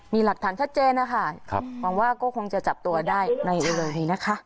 มีหลักฐานชัดเจนนะคะหวังว่าก็คงจะจับตัวได้ในเร็วนี้นะคะ